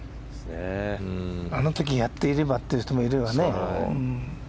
あの時やっていればという人もいるよね。